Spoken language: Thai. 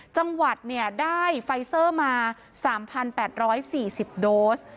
จังหวัดได้ไฟเซอร์มา๓๘๔๐โดส